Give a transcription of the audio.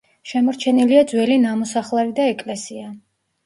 შემორჩენილია ძველი ნამოსახლარი და ეკლესია.